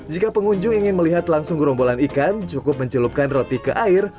jika pengunjung ingin melihat langsung gerombolan ikan cukup mencelupkan roti ke air